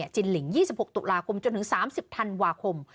จินลิง๒๖ตุลาคมจนถึง๓๐ธันวาคม